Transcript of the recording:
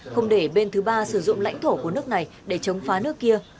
không để bên thứ ba sử dụng lãnh thổ của nước này để chống phá nước kia